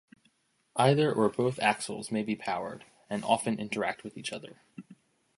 Either or both axles may be powered, and often interact with each other.